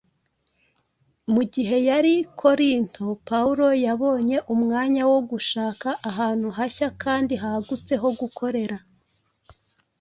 Mu gihe yari i Korinto, Pawulo yabonye umwanya wo gushaka ahantu hashya kandi hagutse ho gukorera